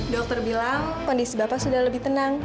dokter bilang kondisi bapak sudah lebih tenang